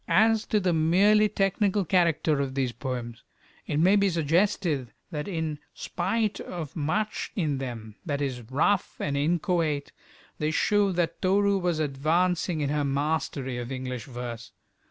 As to the merely technical character of these poems, it may be suggested that in spite of much in them that is rough and inchoate, they show that Toru was advancing in her mastery of English verse.